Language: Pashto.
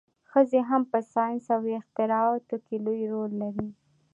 ښځې هم په ساینس او اختراعاتو کې لوی رول لري.